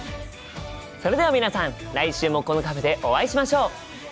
それでは皆さん来週もこのカフェでお会いしましょう！